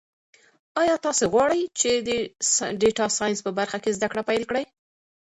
ایا تاسو غواړئ چې د ډیټا ساینس په برخه کې زده کړې پیل کړئ؟